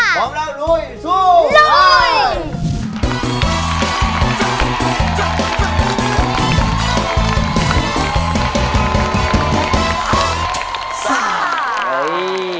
พร้อมแล้วลุยสู้ได้